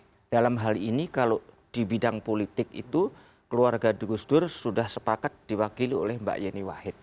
dan dalam hal ini kalau di bidang politik itu keluarga gusdur sudah sepakat diwakili oleh mbak yeni wahid